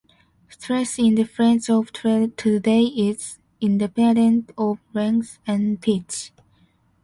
Stress in the French of today is independent of length and pitch.